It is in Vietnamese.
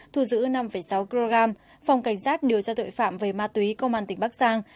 thu giữ năm sáu kg phòng cảnh sát điều tra tội phạm về ma túy công an tỉnh bắc giang